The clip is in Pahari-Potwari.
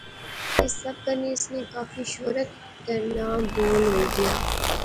اس سب کنے اس نی کافی شہرت تہ ناں بول ہوئی گیا